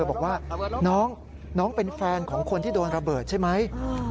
บอกว่าน้องเป็นแฟนของคนที่โดนระเบิดใช่ไหม